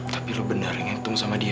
tapi lu benar ingin ketemu sama dia